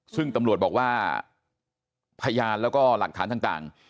ซึ่งตำรวจบอกว่าพยานแล้วก็หลักฐานต่าง